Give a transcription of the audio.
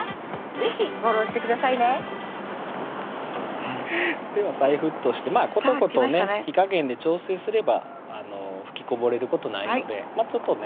是非フォローしてくださいねでは再沸騰してことことね火加減で調整すれば噴きこぼれることないのでちょっとね